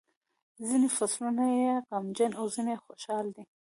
ځینې فصلونه یې غمجن او ځینې خوشاله دي.